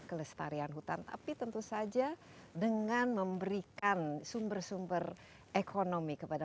kelestarian hutan tapi tentu saja dengan memberikan sumber sumber ekonomi kepada